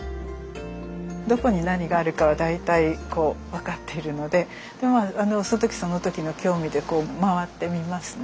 どこに何があるかは大体分かっているのでその時その時の興味で回ってみますね。